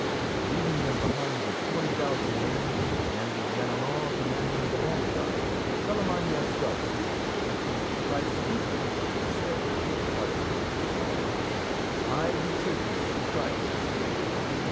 _" Leaving them behind with twenty thousand men, and with Ganelon commanding the vanguard, Charlemagne started. "Christ keep you!" he said on parting with Roland "_I betak you to Crist.